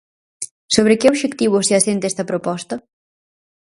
Sobre que obxectivos se asenta esta proposta?